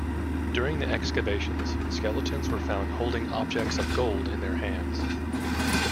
During the excavations, skeletons were found holding objects of gold in their hands.